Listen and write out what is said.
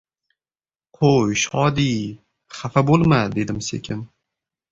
— Qo‘y, Shodi-i, xafa bo‘lma...— dedim sekin.